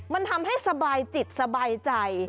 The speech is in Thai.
มันทำให้สบายจิตสบายใจ